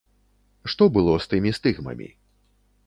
Што было з тымі стыгмамі?